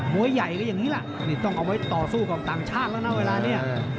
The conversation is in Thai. วยใหญ่ก็อย่างนี้แหละนี่ต้องเอาไว้ต่อสู้กับต่างชาติแล้วนะเวลานี้